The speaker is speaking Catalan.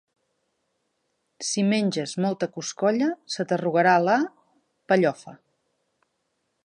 Si menges molta coscolla, se t'arrugarà la... pellofa.